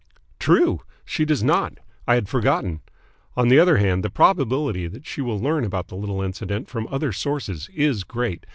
"True! She does not. I had forgotten. On the other hand the probability that she will learn about the little incident from other sources is great.